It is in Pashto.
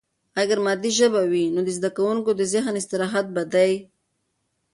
اگر مادي ژبه وي، نو د زده کوونکي د ذهن استراحت به دی.